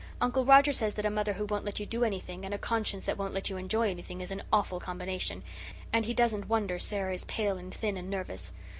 Uncle Roger says that a mother who won't let you do anything, and a conscience that won't let you enjoy anything is an awful combination, and he doesn't wonder Sara is pale and thin and nervous.